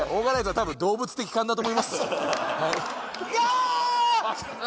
多分動物的勘だと思います